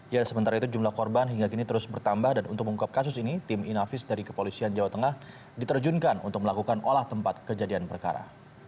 ya sementara itu jumlah korban hingga kini terus bertambah dan untuk mengungkap kasus ini tim inafis dari kepolisian jawa tengah diterjunkan untuk melakukan olah tempat kejadian perkara